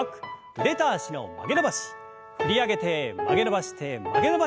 振り上げて曲げ伸ばして曲げ伸ばして振り下ろす。